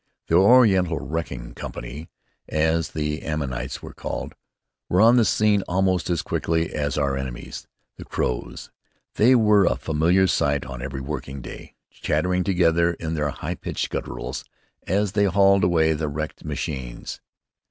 "The Oriental Wrecking Company," as the Annamites were called, were on the scene almost as quickly as our enemies the crows. They were a familiar sight on every working day, chattering together in their high pitched gutturals, as they hauled away the wrecked machines.